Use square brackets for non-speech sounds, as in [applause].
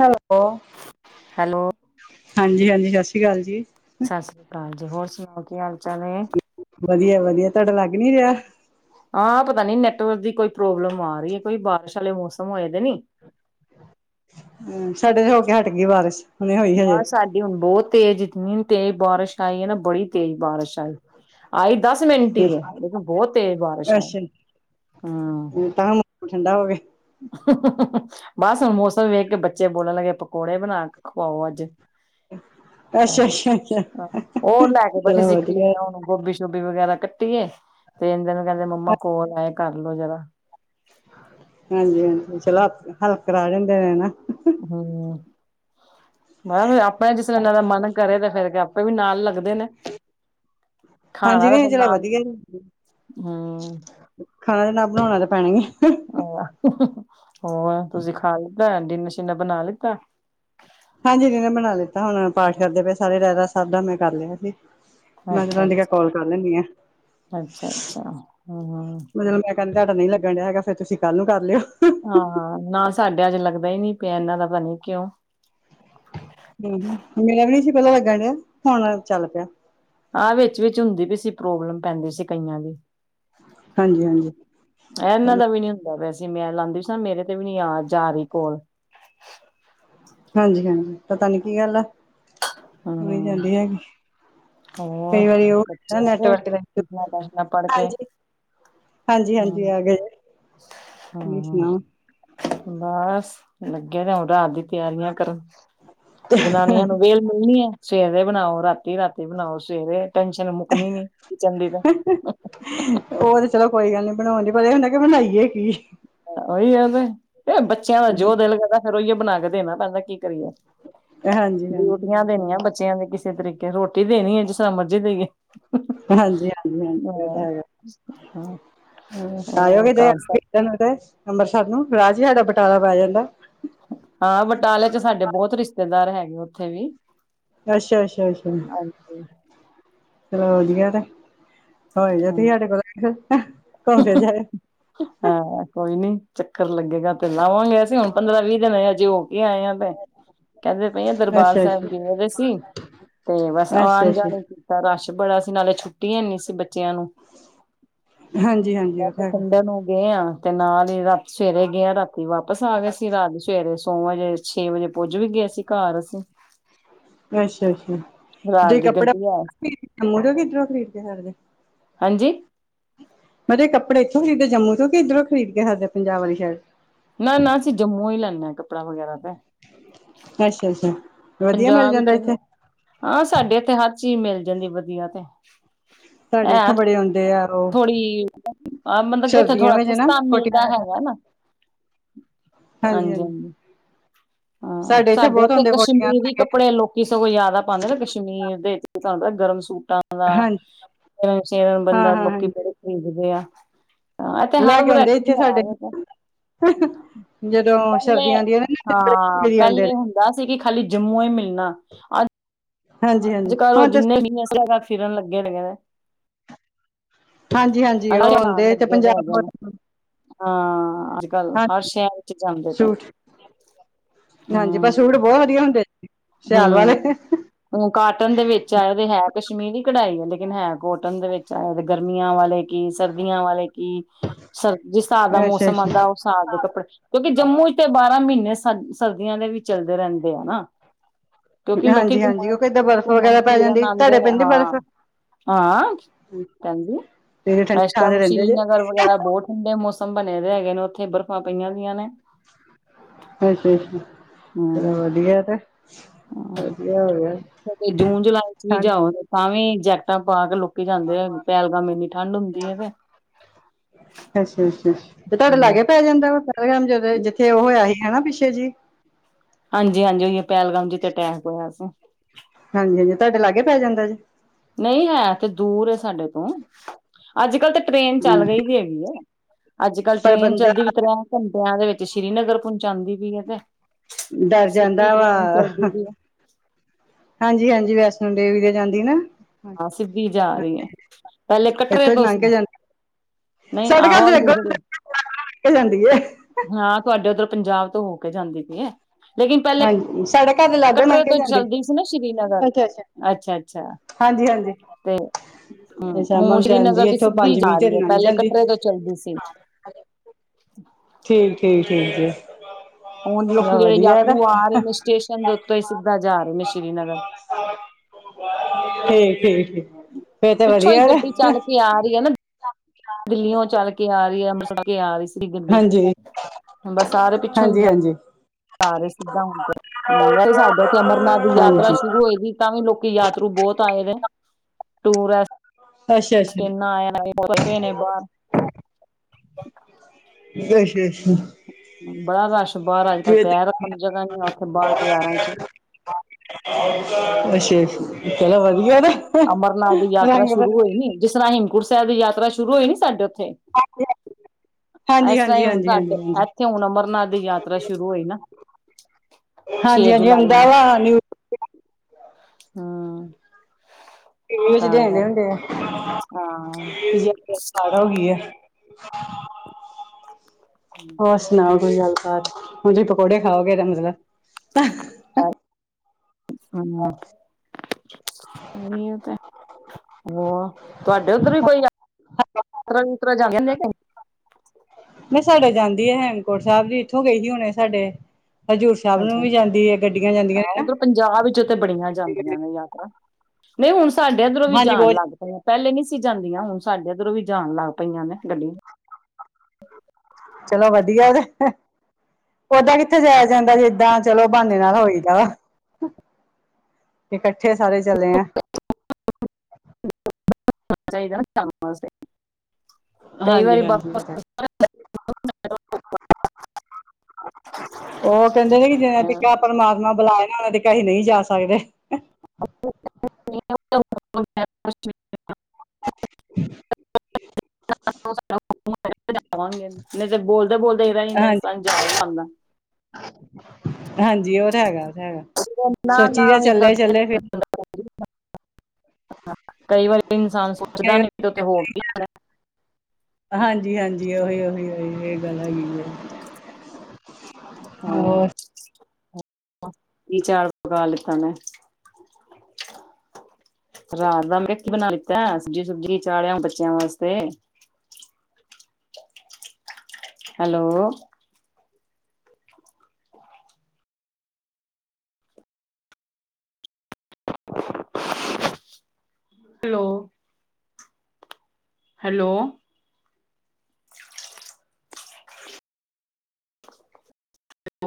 Hello. Hello. ਹਾਂਜੀ-ਹਾਂਜੀ, ਸਤਿ ਸ਼੍ਰੀ ਅਕਾਲ ਜੀ। ਸਤਿ ਸ੍ਰੀ ਅਕਾਲ ਜੀ। ਹੋਰ ਸੁਣਾਓ ਜੀ ਹਾਲ-ਚਾਲ ਐ। ਵਧੀਆ-ਵਧੀਆ, ਤੁਹਾਡਾ ਲੱਗ ਨੀ ਰਿਹਾ? ਆਹ ਪਤਾ ਨੀ ਨੈਟਵਰਕ ਦੀ ਕੋਈ ਪ੍ਰੋਬਲਮ ਆ ਰਹੀ ਐ। ਕੋਈ ਬਾਰਿਸ਼ ਵਾਲੇ ਮੌਸਮ ਹੋਏ ਦੇ ਨੀ। ਹਮ ਸਾਡੇ ਤੇ ਹੋ ਕੇ ਹਟ ਗਈ ਬਾਰਿਸ਼। ਹੁਣੇ ਹੋਈ ਹਜੇ ਨਾ ਸਾਡੀ ਹੁਣ ਬਹੁਤ ਤੇਜ਼ ਇਨੀ ਤੇਜ਼ ਬਾਰਿਸ਼ ਆਈ ਨਾ, ਬੜੀ ਤੇਜ਼ ਬਾਰਿਸ਼ ਆਈ ਦਸ ਮਿੰਟ ਹੀ ਏ ਲੇਕਿਨ ਬਹੁਤ ਤੇਜ਼ ਬਾਰਿਸ਼ ਆਈ। ਹੂੰ [unintelligible] ਹੁਣ ਠੰਡਾ ਹੋ ਗਿਆ। ਬਸ ਹੁਣ ਮੌਸਮ ਵੇਖ ਕੇ ਬੱਚੇ ਬੋਲਣ ਲੱਗੇ ਪਕੌੜੇ ਬਣਾ ਕੇ ਖਵਾਓ ਅੱਜ। ਅੱਛਾ ਅੱਛਾ ਅੱਛਾ ਉਹ ਲੈ ਕੇ ਬੈਠੇ ਚਲੋ ਸੀ, ਵਧੀਆ ਖਲੇਰਾ ਹੁਣ ਗੋਭੀ ਸੋਭੀ ਸ਼ੁਭੀ ਵਗੈਰਾ ਕੱਟੀ ਏ ਤੇ ਇਹਦੇ ਨੂੰ ਕਹਿੰਦੇ ਮੰਮਾ ਕੋਲ ਆਏ ਕਰਲ ਲੋ ਜਰਾ। ਹਾਂਜੀ-ਹਾਂਜੀ, ਚਲੋ ਹੈਲਪ ਕਰਾ ਜਾਂਦੇ ਨੇ ਨਾ। ਹੂੰ। ਮੈਂ ਕਿਹਾ ਫੇਰ ਆਪਣਾ ਜਿਸ ਤਰ੍ਹਾਂ ਇਹਨਾਂ ਦਾ ਮਨ ਕਰੇ ਤਾਂ ਫੇਰ ਆਪੇ ਵੀ ਨਾਲ ਲੱਗਦੇ ਨੇ। ਹਾਂਜੀ ਖਾਣਾ ਤੇ ਨਹੀਂ ਫਿਰ ਚਲੋ ਨਾਲ, ਵਧੀਆ ਹੂੰ। ਖਾਣਾ ਤਾਂ ਨਾ ਬਣਾਉਣਾ ਤਾਂ ਪੈਣਾਗੇ। ਆਹ ਹੋਰ ਤੁਸੀਂ ਖਾ ਲਿੱਤਾ, ਡਿਨਰ ਸ਼ਿਨਰ ਬਣਾ ਲਿੱਤਾ। ਹਾਂਜੀ, ਇਹ ਨੇ ਬਣਾ ਲਿੱਤਾ, ਹੁਣ ਪਾਠ ਕਰਦੇ ਪਏ ਸਾਰੇ ਰਹਿਰਾਸ ਸਾਬ ਦਾ, ਮੈਂ ਕਰ ਲਿਆ ਸੀ। ਮੈਂ ਰਹਿੰਦੀ ਅੱਛਾ ਆਂ ਕਿਹਾ ਅੱਛਾ ਕਾਲ ਕਰ ਲੈਂਦੀ ਆ। ਅੱਛਾ ਅੱਛਾ ਹਮ ਮੈਂ ਰਹਿੰਦੀਆਂ ਮੈਂ ਤੁਹਾਡਾ ਨੀ ਲੱਗ ਰਿਹਾ ਹੈਗਾ ਫਿਰ ਤੁਸੀਂ ਕੱਲ ਨੂੰ ਕਰ ਲੇਓ। ਹਾਂ, ਨਾ ਸਾਡਾ ਅੱਜ ਲੱਗਦਾ ਹੀ ਨੀ ਪਿਆ ਇਹਨਾਂ ਦਾ ਪਤਾ ਨੀ ਕਿਉਂ। ਹੂੰ, ਮੇਰਾ ਵੀ ਨਹੀਂ ਸੀ ਪਹਿਲਾਂ ਲੱਗਣ ਡਹਾ ਹੁਣ ਚੱਲ ਪਿਆ। ਆਹ ਵਿੱਚ-ਵਿਚ ਹੁੰਦੀ ਵੀ ਸੀ ਪ੍ਰੋਬਲਮ ਪੈਂਦੀ ਸੀ ਕਈਆਂ ਦੀ। ਹਾਂਜੀ-ਹਾਂਜੀ। ਇਹਨਾਂ ਦਾ ਵੀ ਨੀ ਹੁੰਦਾ ਵੈਸੇ। ਮੈਂ ਲਾਉਂਦੀ ਵੀ ਸੀ ਨਾ ਮੇਰੇ ਤੇ ਵੀ ਨੀ ਆ ਜਾ ਰਹੀ ਕੋਲ। ਹਾਂਜੀ-ਹਾਂਜੀ ਪਤਾ ਨੀ ਕੀ ਗੱਲ ਆ। ਹੋਣੀ ਹਮ ਜਾਂਦੀ ਹੈਗੀ। ਹੋਰ ਕਈ ਵਾਰੀ ਬੱਚੇ ਉਹ ਆ ਨੈਟ ਗਏ ਵਰਕ ਨੇ। ਟਿਊਸ਼ਨਾਂ ਟਾਸ਼ਨਾਂ ਪੜ੍ਹ ਕੇ ਹਾਂਜੀ ਹਾਂਜੀ ਹਮ ਆ ਗਏ ਤੁਸੀਂ ਹਮ ਸੁਣਾਓ? ਬਸ ਲੱਗਿਆ ਨੇ ਹ ਰਾ ਦੀ ਤਿਆਰੀਆਂ ਕਰਨ ਜਨਾਨੀਆਂ ਨੂੰ ਵੇਲ ਮਿਲਣੀ ਹੈ। ਸਵੇਰੇ ਬਣਾਓ ਰਾਤੀ ਰਾਤੀ ਬਣਾਓ ਸਵੇਰੇ ਟੈਨਸ਼ਨ ਮੁੱਕਣੀ ਨੀ ਕਿਚਨ ਦੀ ਤਾਂ ਉਹ ਤੇ ਚਲੋ ਕੋਈ ਗੱਲ ਨੀ ਬਣਾਉਣ ਦੀ ਪਰ ਹੁੰਣ ਕਿ ਬਣਾਈਏ ਕੀ। ਉਹੀ ਕਿੰਦੇ ਇਹ ਬੱਚੇ ਬੱਚਿਆਂ ਦਾ ਜੋ ਦਿਲ ਲਦਾ ਫੇਿਰ ਉਹੀਏ ਬਣਾ ਕੇ ਦੇਣਾ ਪਹਿਲਦਾ ਕੀ ਕਰੀਏ। ਡਿਊਟੀਆਂ ਦੇਣੀਆਂ ਹਾਂਜੀ-ਹਾਂਜੀ-ਹਾਂਜੀ। ਬੱਚਿਆਂ ਦੇ ਕਿਸੇ ਤਰੀਕੇ ਰੋਟੀ ਦੇਣੀ ਹੈ ਜਿਸ ਤਰ੍ਹਾਂ ਮਰਜ਼ੀ ਦੇਈਏ। ਹਾਂਜੀ ਹਾਂਜੀ ਹਾਂਜੀ ਇਹ ਤਾਂ ਹੈਗਾ। ਆ ਹੋਰ ਜਾਓਗੇ ਜੇ ਘਰ ਸਭ ਤੇ ਅੰਮ੍ਰਿਸਰ ਨੂੰ ਰਾਜ ਸਾਡਾ ਬਟਾਲਾ ਪੈ ਜਾਂਦਾ ਹਾਂ ਬਟਾਲੇ ਚ ਸਾਡੇ ਬਹੁਤ ਰਿਸ਼ਤੇਦਾਰ ਹੈਗੇ ਉੱਥੇ ਵੀ। ਅੱਛਾ ਅੱਛਾ ਅੱਛਾ ਚ ਵਧ ਹਾਂਜੀ ਤੇ ਹੋ ਜਾ ਹਾਂ ਤੁਸੀ ਸਾਡੇ ਕੋ ਘੁੰਮ ਫ ਜਾਏ ਹਾਂ ਕੋਈ ਨੀ ਚੱਕਰ ਲੱਗੇਗਾ ਤੇ ਲਾਵਾਂਗੇ ਅਸੀਂ ਹੁਣ ਪੰਦਰਾਂ ਵੀਹ ਦਿਨ ਆਏ ਅਜੇ ਹੋ ਕੇ ਆਏ ਹਾਂ। ਕਹਿੰਦੇ ਪਈ ਆ ਦਰਬਾਰ ਅੱਛਾ ਸਾਹਿਬ ਅੱਛਾ ਗੇਦੇ ਸੀ ਤੇ ਬਸ ਅੱਛਾ ਆਉਣ ਅੱਛਾ ਜਾਣੇ ਰਸ਼ ਬੜਾ ਸੀ ਨਾਲੇ ਛੁੱਟੀ ਹੈ ਸੀ ਬੱਚ ਬੱਚਿਆਂ ਨੂੰ। ਹਾਂਜੀ ਹਾਂਜੀ ਉਹ ਤਾਂ ਹੈਗਾ ਪਠਿੰਡ ਨੂੰ ਗਏ ਆ ਤੇ ਨਾਲ ਹੀ ਰਾ ਸਵੇਰੇ ਗਿਆ ਰਾਤੀ ਵਾਪਸ ਆ ਗਏ ਸੀ ਰਾਤ ਸਵੇਰੇ ਸੋ ਵਜੇ ਛੇ ਵਜੇ ਪੁੱਜ ਵੀ ਗਿਆਏ ਸੀ ਘਰ ਅਸੀਂ। ਅੱਛਾ ਅੱਛਾ ਰਾਤ ਤੁਸੀ ਦੀ ਕੱਪੜਾ ਗੱਡੀ ਆ ਜੰਮੂ ਕਿੱਧਰੋਂ ਖਰੀਦਦੇ ਹਦੇ ਹਾਂਜੀ ਮੈਂਰੇ ਕੱਪੜ ਇਥੋਂ ਖਰੀਦੇ ਜੰਮੂ ਤੋਂ ਕਿੱਧਰੋਂ ਖਰੀਦ ਕੇਏ ਸਾਡਦੇ ਪੰਜਾਬ ਵਾਲੀ ਸ਼ਾਇਰ ਨਾ ਨਾ ਅਸੀਂ ਜੰਮੂ ਹੀ ਲੈਂਦੇ ਹਾਂ ਕੱਪੜਾ ਵਗੈਰਾ ਤੇ ਅੱਛਾ ਅੱਛਾ ਵਧੀਆ ਮਿਲ ਪੰਜਾਬ ਜਾਂਦਾ ਇੱਥੇ ਵਿੱਚੋਂ ਹਾਂ ਸਾਡੇ ਇੱਥੇ ਹਰ ਚੀਜ਼ ਮਿਲ ਜਾਂਦੀ ਵਧੀਆ ਤੇ ਸਾਡੇ ਹੈ ਇੱਥੋਂ ਬੜੇ ਆਉਂਦੇ ਆ ਓ। ਮਤਲਬ ਕਿ ਉੱਥੇ ਥੋੜਾ ਨਾ ਸਸਤਾ ਕੋਟੀਆਂ ਮਿਲਦਾ ਦਾ ਹੈਗਾ ਨਾ ਹਾਂਜੀ ਹਾਂਜੀ ਹਾਂ ਸਾਡੇ ਬਹੁਤ ਇੱਥੇ ਆਉਂਦੇ ਕੋਟੀਆਂ ਲੈ ਕਸ਼ਮੀਰੀ ਕੇ ਕੱਪੜੇ ਲੋਕੀ ਸਗੋਂ ਜਿਆਦਾ ਪਾਉਂਦੇ ਨਾ ਕਸ਼ਮੀਰ ਦੇ ਤੁਹਾਨੂੰ ਪਤਾ ਗਰਮ ਸੂਟਾਂ ਦਾ ਹਾਂਜੀ ਸੇਰਨ ਹਾਂ ਬੰਦਾ ਹਾਂ ਲੋਕੀ ਹਾਂਜੀ ਬ ਭੇਜਦੇ ਆ ਹ ਤੇ ਲੈ ਕੇ ਆਉਂਦੇ ਹਰਮਰੱਖੀ ਇੱਥੇ ਸਾਡੇ ਹੈ ਜਦੋਂ ਪਹਿਲੇ ਸਰਦੀਆਂ ਦੀਆਂ ਨੇ ਨਾ ਹਾਂ ਬੜੇ ਆਉਂਦੇ ਨੇ ਪਹਿਲੇ ਹੁੰਦਾ ਸੀ ਕਿ ਖਾਲੀ ਜੰਮੂ ਹੀ ਮਿਲਣਾ। ਹਾਂਜੀ ਹਾਂਜੀ ਅੱਜ-ਕੱਲ ਓ ਹੁਣ ਤੇ ਜਿੰਨੇ ਵੀ ਅ ਸ ਫਿਰਨ ਲੱਗੇ ਨੇਗੇ ਕੈਂਦੇ। ਹਾਂਜੀ ਹਾਂਜੀ ਉਹ ਆਣ ਹੁੰਦੇ ਤੇ ਲੱਗੇ ਦੇ ਪੰਜਾਬ ਹੈਗੇ ਨੇ ਹਾਂ ਅੱਜ ਕੱਲ ਹਰ ਹਾਂਜੀ ਸ਼ਹਿਰ ਚ ਜਾਂਦੇ ਪਏ ਸੂਟ ਹਾਂਜੀ ਪਰ ਸੂਟ ਬਹੁਤ ਵਧੀਆ ਹੁੰਦੇ। ਸਿਆਲ ਵਾਲੇ ਹਮ ਹ ਕਾਟਨ ਦੇ ਵਿੱਚ ਆਏ ਤੇ ਹੈ ਕਸ਼ਮੀਰੀ ਕਢਾਈ ਹੈ ਲੇਕਿਨ ਹੈ ਕੋਟਨ ਦੇ ਵਿੱਚ ਚਾਹੇ ਤੇ ਗਰਮੀਆਂ ਵਾਲੇ ਕੀ ਸਰਦੀਆਂ ਵਾਲੇ ਕੀ ਸਰ ਜਿਸ ਹਾਰ ਦਾ ਅੱਛਾ ਮੌਸਮ ਆਉਂਦਾ ਅੱਛਾ ਉਸ ਸਾਲ ਦੇ ਕੱਪੜੇ ਕਿਉਂਕਿ ਜੰਮੂ ਚ ਤੇ ਬਾਰਾਂ ਮਹੀਨੇ ਸਰਦੀਆਂ ਦੇ ਵੀ ਚੱਲਦੇ ਰਹਿੰਦੇ ਆ ਨਾ ਕਿਉਂਕਿ ਲੋਕੀ ਹਾਂਜੀ ਹਾਂਜੀ ਘੁੰਮਣ ਕਿਉਂਕਿ ਏਦਾਂ ਬਰਫ਼ ਘੁੰਮਣ ਵਗੈਰਾ ਪੈ ਫਿਰਨ ਜਾਂਦੀ ਤੁਹਾਡੇ ਆਉਂਦੇ ਨੇ ਪੈਂਦੀ ਬਰਫ਼ ਹਾਂ ਹਾਂ ਭਹਦੀ ਤੇ ਠੰਡੀ ਇਸ ਥਾਂ ਤੇ ਟਾਈਮ ਰਹਿੰਦੇ ਜੇ ਸ਼੍ਰੀਨਗਰ ਵਗੈਰਾ ਬਹੁਤ ਠੰਡੇ ਮੌਸਮ ਬਣੇ ਰ ਹੈਗੇ ਨੇ ਉੱਥੇ ਬਰਫ਼ਾਂ ਪਈਆਂ ਦੀਆ ਨੇ ਅੱਛਾ ਅੱਛਾ ਚਲੋ ਵਧੀਆ ਤੇ ਵਧੀਆ ਹੋ ਗਿਆ ਹ ਜੂਨ ਜੁਲਾਈ ਚ ਵੀ ਠੰਡ ਜਾਓ ਤਾਂ ਵੀ ਜੈਕਟਾਂ ਪਾ ਕੇ ਰੱਕੀ ਜਾਂਦੇ ਆ ਪਹਿਲਗਾਮ ਇੰਨੀ ਠੰਢ ਹੁੰਦੀ ਹੈ ਤੇ ਅੱਛਾ ਅੱਛਾ ਤੇ ਤੁਆਡੇ ਲਾਗੇ ਹੂੰ, ਪੈ ਜਾਂਦਾ ਵੈ [unintelligible] ਜਿੱਥੇ ਓ ਹੋਇਆ ਸੀ ਹੈਨਾ ਪਿੱਛੇ ਜੀਅ ਹਾਂਜੀ ਹਾਂਜੀ, ਓਇਓ ਪੈਲਗਾਮ ਜਿਤੇ ਅਟੈਕ ਹੋਯਾ ਸੀ। ਹਾਂਜੀ ਹਾਂਜੀ, ਤਾਡੇ ਲਾਗੇ ਪੈ ਜਾਂਦਾ ਜੇ। ਨਈ ਹੈ ਤੇ ਦੂਰ ਏ ਸਾਡੇ ਤੋਂ। ਅੱਜ-ਕੱਲ੍ਹ ਤੇ ਟ੍ਰੇਨ ਚੱਲ ਹਮ ਰਈ ਵੀ ਹੈਗੀ ਏ, ਅੱਜ-ਕੱਲ ਪਰ ਟ੍ਰੇਨ ਬੰਦਾ ਚੱਲਦੀ ਵੀ ਤਰੈ ਘੰਟਿਆਂ ਦੇ ਵਿੱਚ ਸ੍ਰੀਨਗਰ ਪੋਚਾਂਦੀ ਪਈ ਏ ਤੇ। ਡਰ ਸਿੱਧੀ ਜਾਂਦਾ ਟ੍ਰੇਨ ਵਾ, ਚੱਲਦੀ ਪਈ ਏ ਹਾਂਜੀ-ਹਾਂਜੀ ਵੈਸ ਸੰਡੇ ਵੀ ਦੇ ਜਾਂਦੀ ਨਾ। ਪੈਲੇ ਕੱਟਰੇ ਇੱਥੋਂ ਤੋਂ ਲੰਘ ਸੀ। ਕੇ ਜਾਂਦੀ ਨਈ ਸਾਡੇ ਆਹੋ ਘਰ ਦੇ ਆਈ ਅੱਗੋਂ ਯੂਜ਼ਰ ਏ। ਲੰਘ ਕੇ ਜਾਂਦੀ ਹੈ ਹਾਂ, ਤੁਆਡੇ ਓਧਰ ਪੰਜਾਬ ਤੋਂ ਹੋ ਕੇ ਜਾਂਦੀ ਪੀ ਏ ਲੇਕਿਨ ਪੈ ਪੈਲੇ ਹਾਂਜੀ ਸਾਡੇ ਘਰ ਦੇ ਲਾਗੋਂ ਲੰਘ ਕਟਰੇ ਕੇ ਤੋਂ ਜਾਂਦੀ ਚੱਲਦੀ ਸੀ ਨਾ ਸ਼੍ਰੀਨਗਰ। ਅੱਛਾ, ਅੱਛਾ। ਹਾਂਜੀ, ਹਾਂਜੀ। ਅ ਸ਼ਾਮਾ ਹੁਣ ਨੂੰ ਜਾਂਦੀ ਸ੍ਰੀਨਗਰ ਏ ਦੀ ਇੱਥੋਂ ਸਿੱਧੀ ਪੰਜ ਜਾ ਵੀਹ ਰਹੀ ਏ ਲੰਗ ਪਹਿਲੇ ਜਾਂਦੀ। ਕਟਰੇ ਤੋਂ ਚੱਲਦੀ ਸੀ ਠੀਕ-ਠੀਕ, ਠੀਕ ਜੀ। ਹੁਣ ਲੋਕੀ ਚਲੋ ਜੇੜੇ ਵਧੀਆ ਨਾ ਯਾਤਰੂ ਆ ਰੇ ਨੇ ਸਟੇਸ਼ਨ ਦੇ ਉੱਤੋ ਈ ਸਿੱਧਾ ਜਾ ਰੇ ਨੇ ਸ਼੍ਰੀਨਗਰ। ਠੀਕ-ਠੀਕ, ਠੀਕ। ਫੇਰ ਤੇ ਪਿੱਛੋਂ ਈ ਵਧੀਆ ਨਾ ਗੱਡੀ ਚੱਲ ਕੇ ਆ ਰੀ ਐ ਨਾ। ਦਿਲੀਓ ਚੱਲ ਕੇ ਆ ਰੀ ਐ, ਅੰਬਰਸਰ ਕੇ ਆ ਰੀ ਸੀ ਗੱਡੀ। ਹਾਂਜੀ ਹੁਣ ਬਸ ਸਾਰੇ ਪਿੱਛੋਂ ਹੀ ਹਾਂਜੀ ਜਾ ਹਾਂਜੀ ਜਾ ਰੇ ਸਿੱਧਾ ਹੁਣ ਤੇ ਹੂੰ ਅਰੇ ਸਾਡੇ ਇਥੇ ਅਮਰਨਾਥ ਦੀ ਯਾਤਰਾ ਹਾਂਜੀ ਅੱਛਾ ਸ਼ੁਰੂ ਹੋਈ ਦੀ ਤਾਂ ਵੀ ਲੋਕੀ ਯਾਤਰੂ ਬੋਤ ਆਏ ਨੇ ਟੂਰੈ ਅੱਛਾ ਸਟ ਅੱਛਾ ਆਏ ਪਏ ਨੇ ਬਾਹਰ [inaudible] ਅੱਛਾ ਅੱਛਾ ਬੜਾ ਰਸ਼ ਬਾਰ ਅੱਜ-ਕੱਲ ਪੈਰ ਰੱਖਣ ਦੀ ਜਗ੍ਹਾ ਨੀ ਔਥੇ ਬਾਰ ਬਜ਼ਾਰਾਂ ਚ। ਅੱਛਾ ਅੱਛਾ, ਚਲੋ ਵਧੀਆ ਨਾ। ਅਮਰਨਾਥ ਦੀ ਯਾਤਰਾ ਸ਼ੁਰੂ ਰੰਗ ਹੋਈ ਨੀ ਜਿਸ ਤਰ੍ਹਾਂ ਹੇਮਕੁਟ ਸੈਬ ਦੀ ਯਾਤਰਾ ਸ਼ੁਰੂ ਹੋਈ ਨੀ ਸਾਡੇ ਔਥੇ। ਹਾਂਜੀ ਹਾਂਜੀ ਜੀ ਐਸ ਤਰ੍ਹਾਂ ਈ ਹੁਣ ਸਾਡੇ ਐਥੇ ਹੁਣ ਅਮਰਨਾਥ ਦੀ ਯਾਤਰਾ ਸ਼ੁਰੂ ਹੋਈ ਨਾ। ਛੇ ਹਾਂਜੀ ਹਾਂਜੀ, ਜੁਲਾਈ ਹੂੰਦੈ ਵਾ ਨਿਊ ਹਾਂ। ਨਿਉਜ ਦੇੰਦੇ ਹੁੰਦੇ ਐ। ਹਾਂ। ਹੋਗੀ ਏ। ਹੋਰ ਸੁਣਾਓ ਕੋਈ ਗੱਲਬਾਤ? ਹਾਂਜੀ, ਪਕੌੜੇ ਖਾਓਗੇ ਮਨੂੰ ਲਗਦਾ ਹਨਾ, ਓਈਓ ਤੇ। ਹੋਰ ਤੁਆਡੇ ਓਧਰ ਵੀ ਕੋਈ ਯਾ ਯਾਤਰਾ ਯੂਤਰਾ ਜਾਂਦੀ ਐ ਕਿ ਨਈ? ਨਈ ਸਾਡੇ ਜਾਂਦੀ ਏ ਹੇਮਕੂੰਟ ਸੈਬ ਦੀ, ਇੱਥੋਂ ਗਈ ਸੀ ਹੁਣੇ ਸਾਡੇ। ਹਜ਼ੂਰ ਸਾਬ ਅੱਛਾ ਨੂੰ ਵੀ ਜਾਂਦੀ ਏ, ਗੱਡੀਆਂ ਜਾਂਦੀਆਂ ਹਾਂ ਨੇ ਨਾ। ਉਧਰ ਪੰਜਾਬ ਵਿਚੋਂ ਤੇ ਬੜੀਆਂ ਜਾਂਦੀਆਂ ਨੇ ਯਾਤਰਾ। ਨਈ, ਹੁਣ ਸਾਡੇ ਐਧਰੋਂ ਵੀ ਹਾਂਜੀ ਜਾਣ ਬਹੁਤ ਲੱਗ ਪ ਇਆ ਪੈਲੇ ਨੀ ਸੀ ਜਾਂਦੀਆਂ ਹੁਣ ਸਾਡੇ ਐਧਰੋਂ ਵੀ ਜਾਣ ਲੱਗ ਪਈਆਂ ਨੇ ਗੱਡੀਆਂ। ਚਲੋ ਵਧੀਆ ਜੇ ਓਦਾਂ ਕਿੱਥੇ ਜਾਯਾ ਜਾਂਦੈ ਜੇ ਇਦਾ ਚਲੋ ਬ੍ਹਾਨੇ ਨਾਲ ਹੋਈਦਾ। ਤੇ ਕੱਠੇ ਸਾਰੇ ਚਲੇ ਆ। [unintelligible] ਚਾਈਦੈ ਨਾ ਜਾਣ ਵਾਸਤੇ। ਕਈ ਵਾਰੀ ਬ ਹਾਂਜੀ-ਹਾਂਜੀ, ਓ ਤਾ ਐ [inaudible] [inaudible] ਓਹ ਕੈੰਦੇ ਨੇ ਕਿ ਜੇ ਤੇ ਕਿਆ ਪਰਮਾਤਮਾ ਬੁਲਾਏ ਗਾ ਓਦੇ ਤੀਕ ਅਸੀ ਨਈ ਜਾ ਸਕਦੇ। [inaudible] [unintelligible] [inaudible] ਜਾਵਾਂਗੇ ਨਈ ਤੇ ਬੋਲਦੇ-ਬੋਲਦੇ ਈ ਰੈ ਜਾਂਦੇ ਨੇ ਹਾਂਜੀ ਸਮਝਾ ਈ ਨੀ ਸਕਦਾ। ਹਾਂਜੀ ਔ ਤਾਂ ਹੈਗਾ, ਹੈਗਾ ਨਾ ਨਾ ਸੋਚੀ ਦੈ ਵੀ ਚੱਲੇ, ਕਦੇ ਚੱਲੇ ਫਿਰ ਕਈ ਵਾਰੀ ਇਨਸਾਨ ਸੋਚਦੈ ਨੀ ਦੇ ਉੱਤੇ ਹੋ ਕੀ ਜਾਨੈ। ਹਾਂਜੀ-ਹਾਂਜੀ, ਔਹੀ-ਔਹੀ-ਔਹੀ। ਏ ਗੱਲ ਹੈਗੀ ਏ ਹਾਂ ਔਰ ਕੀ ਚਾੜ ਪਕਾ ਲਿੱਤਾ ਨੇ? ਰਾਤ ਦਾ ਮੈਂ ਕੀ ਬਣਾ ਲਿਤੈ? ਸਬਜ਼ੀ ਸੁਬਜੀ ਚਾੜਿਆ ਵਾਂ ਬੱਚਿਆਂ ਵਾਸਤੇ? ਹੈਲੋ। ਹੈਲੋ। ਹੈਲੋ।